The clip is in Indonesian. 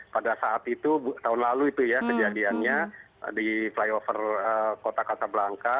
pada saat itu tahun lalu itu ya kejadiannya di flyover kota kasablanca